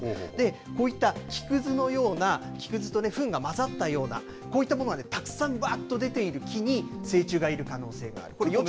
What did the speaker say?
こういった木くずのような、木くずとふんが混ざったような、こういったものがたくさんばっと出ている木に、成虫がいる可能性がある。